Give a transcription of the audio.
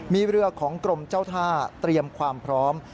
มีเรือของกรมเจ้าท่าเตรียมความพร้อม